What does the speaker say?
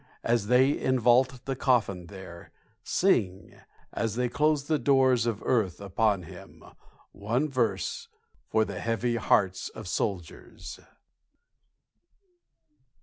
As they invault the coffin there, Sing as they close the doors of earth upon him one verse, For the heavy hearts of soldiers.